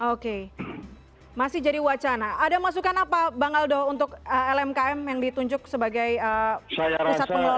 oke masih jadi wacana ada masukan apa bang aldo untuk lmkm yang ditunjuk sebagai pusat pengelolaan